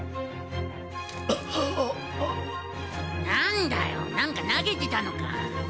何だよ何か投げてたのか。